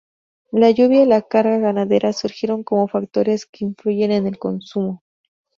La lluvia y la carga ganadera surgieron como factores que influyen en el consumo.